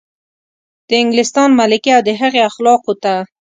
د انګلستان ملکې او د هغې اخلافو ته.